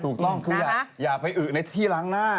ถูกต้องคืออย่าไปอึในที่ล้างหน้า